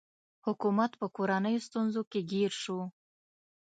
حکومت په کورنیو ستونزو کې ګیر شو.